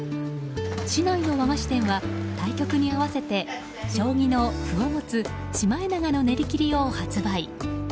市内の和菓子店は対局に合わせて将棋の歩を持つシマエナガのねりきりを発売。